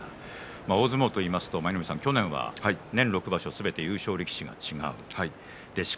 大相撲といいますと去年は年６場所すべて優勝力士が違いました。